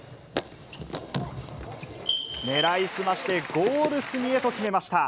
狙いすましてゴール隅へと決めました。